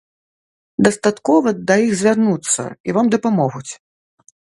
Дастаткова да іх звярнуцца, і вам дапамогуць.